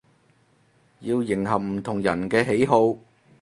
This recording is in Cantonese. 要迎合唔同人嘅喜好